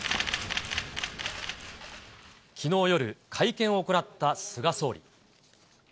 きのう夜、会見を行った菅総理。